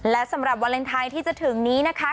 และสำหรับวาเลนไทยที่จะถึงนี้นะคะ